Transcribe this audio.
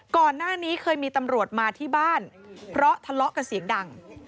ก่อนหน้านี้เคยมีตำรวจมาที่บ้านเพราะทะเลาะกันเสียงดัง